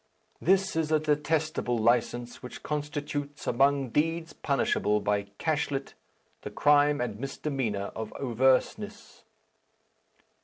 This is a detestable licence, which constitutes, among deeds punishable by cashlit, the crime and misdemeanour of overseness."